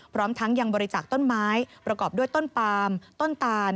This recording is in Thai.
พร้อมทั้งยังบริจาคต้นไม้ประกอบด้วยต้นปามต้นตาน